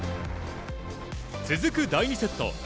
続く第２セット。